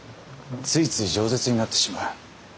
ついついじょう舌になってしまう。